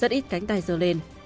rất ít cánh tay dơ lên